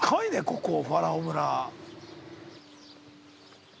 ここファラオ村。